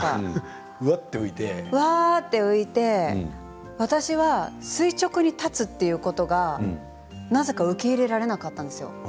ふわっと浮いて私は垂直に立つということがなぜか受け入れられなかったんです。